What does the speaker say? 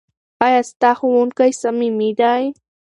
ایا ستا ښوونکی صمیمي دی؟